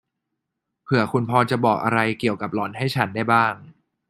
เผื่อคุณพอจะบอกอะไรเกี่ยวกับหล่อนให้ฉันได้บ้าง